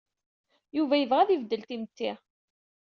Yuba yebɣa ad ibeddel timetti.